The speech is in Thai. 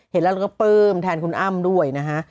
เห็นแล้วเราก็ปลื้มแทนคุณอ้ำด้วยนะฮะ